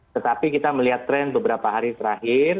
tetapi kita melihat tren beberapa hari terakhir